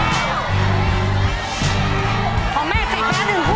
รวมทั้งเป็น๓คู่แล้วนะคะ